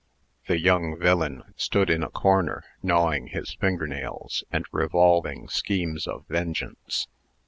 The young villain stood in a corner, gnawing his finger nails, and revolving schemes of vengeance.